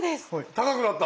高くなった！